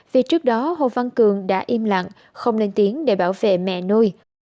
vì trước đó hồ văn cường đã im lặng không lên tiếng để bảo vệ mẹ nuôi